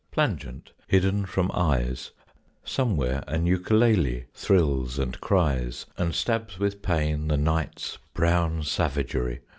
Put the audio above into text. Plangent, hidden from eyes, Somewhere an eukaleli thrills and cries And stabs with pain the night's brown savagery.